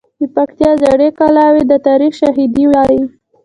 د پکتیا زړې کلاوې د تاریخ شاهدي وایي.